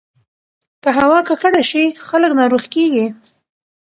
که هوا ککړه شي، خلک ناروغ کېږي.